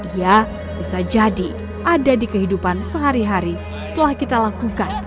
ia bisa jadi ada di kehidupan sehari hari telah kita lakukan